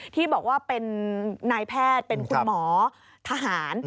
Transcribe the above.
ที่บอกว่าเป็นนายแพทย์เป็นคุณหมอทหาร